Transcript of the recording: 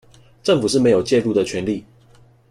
政府是沒有介入的權利